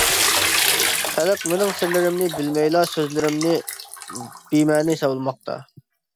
خەلق مېنىڭ سىرلىرىمنى بىلمەيلا سۆزلىرىمنى بىمەنە ھېسابلىماقتا.